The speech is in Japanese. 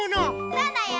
そうだよ！